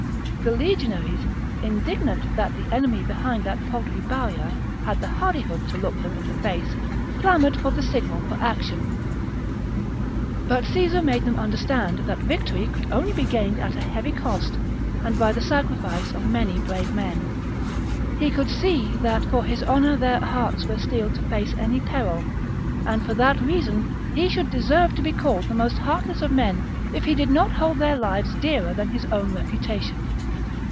The legionaries, indignant that the enemy behind that paltry barrier had the hardi hood to look them in the face, clamoured for the signal for action : but Caesar made them under stand that victory could only be gained at a heavy cost and by the sacrifice of many brave men ; he could see that for his honour their hearts were steeled to face any peril, and for that reason he should deserve to be called the most heartless of men if he did not hold their lives dearer than his own reputation.